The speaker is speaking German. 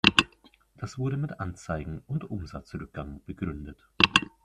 Das wurde mit Anzeigen- und Umsatzrückgang begründet.